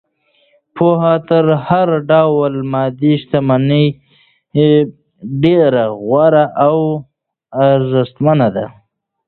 پوهه تر هر ډول مادي شتمنۍ ډېره غوره او ارزښتمنه ده.